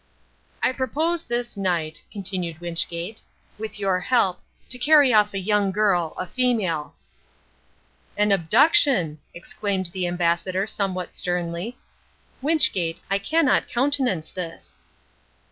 "I propose this night," continued Wynchgate, "with your help, to carry off a young girl, a female!" "An abduction!" exclaimed the Ambassador somewhat sternly. "Wynchgate, I cannot countenance this."